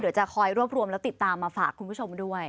เดี๋ยวจะคอยรวบรวมแล้วติดตามมาฝากคุณผู้ชมด้วย